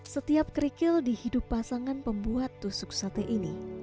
setiap kerikil di hidup pasangan pembuat tusuk sate ini